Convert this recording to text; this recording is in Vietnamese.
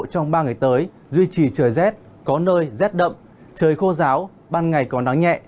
trong ba ngày tới duy trì trời rét có nơi rét đậm trời khô ráo ban ngày có nắng nhẹ